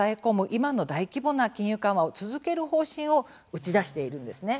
今の大規模な金融緩和を続ける方針を打ち出しているんですね。